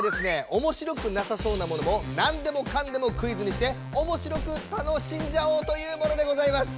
おもしろくなさそうなものもナンでもカンでもクイズにしておもしろく楽しんじゃおうというものでございます。